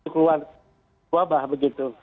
keluar wabah begitu